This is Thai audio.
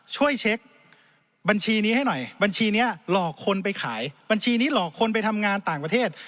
ช่วยเช็คบัญชีนี้ให้หน่อยบัญชีนี้หลอกคนไปขายบัญชีนี้หลอกคนไปทำงานต่างประเทศ